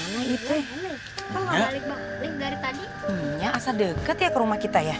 minyak asal deket ya ke rumah kita ya